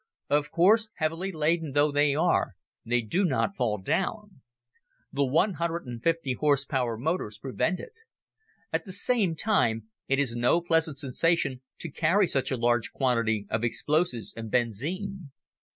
Of course, heavily laden though they are, they do not fall down. The 150 h. p. motors prevent it. At the same time it is no pleasant sensation to carry such a large quantity of explosives and benzine.